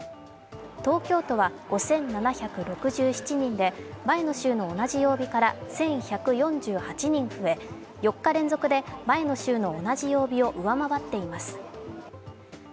東京都は５７６７人で前の週の同じ曜日から１１４８人増え４日連続で前の週の同じ曜日を上回っています。